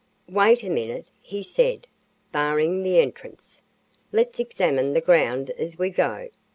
"Wait a minute," he said, barring the entrance. "Let's examine the ground as we go.